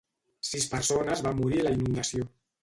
Sis persones van morir a la inundació.